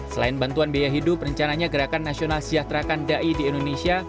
selain bantuan biaya hidup rencananya gerakan nasional sejahterakan dai di indonesia